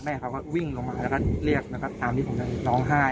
แม่เขาก็วิ่งลงมาแล้วก็เรียกแล้วก็ตามที่ผมจะร้องไห้อ๋อ